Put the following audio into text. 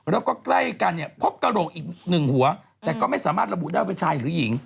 แล้วก็ใกล้กันพบกะโรคอีก๑หัวแต่ก็ไม่สามารถระบุได้ว่าเป็นชายหรือหญิง